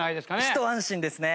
ひと安心ですね。